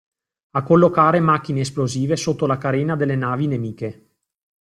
A collocare macchine esplosive sotto la carena delle navi nemiche.